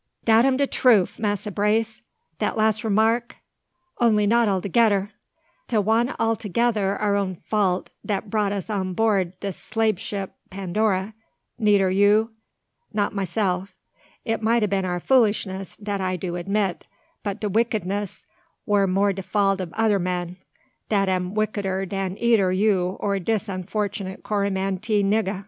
"Dat am de troof, Massa Brace, dat las' remark, only not altogedder! 'T want altogedder our own fault dat brought us on board de slabe ship Pandora, neider you not maseff. It mite a been our foolishness, dat I do admit; but de wickedness war more de fault ob oder men, dat am wickeder dan eider you or dis unfortunate Coromantee nigga."